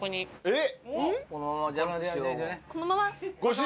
えっ。